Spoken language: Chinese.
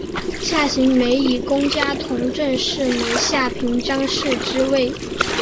夏行美以功加同政事门下平章事之位。